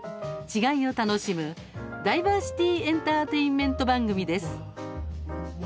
「違い」を楽しむダイバーシティーエンターテインメント番組です。